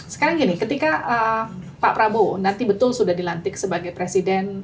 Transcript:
sekarang gini ketika pak prabowo nanti betul sudah dilantik sebagai presiden